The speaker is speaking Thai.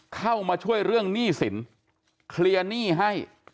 เข้ามาช่วยเรื่องหนี้สินเคลียร์หนี้ให้